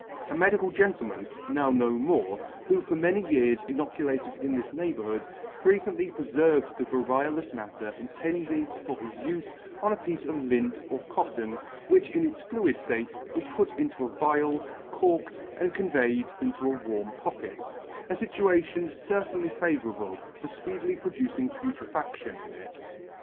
A Medical Gentleman (now no more), who for many years inoculated in this neighbourhood, frequently preferved the variolous matter intended for his life, on a piece of lint or cotton, which in its fluid flate was put into a vial, corked, and con veyed into a warm pocket ; a fituation certainly favourable for fpeedily producing putrefaction in it.